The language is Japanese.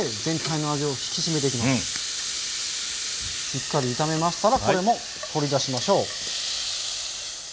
しっかり炒めましたらこれも取り出しましょう。